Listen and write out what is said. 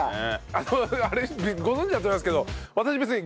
あのご存じだと思いますけどそうね。